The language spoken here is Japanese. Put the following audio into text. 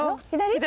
左？